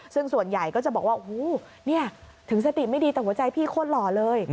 ซึ่งส่วนใหญ่ก็จะบอกว่าโอ้โหนี่ถึงสติไม่ดีแต่หัวใจพี่โคตรหล่อเลย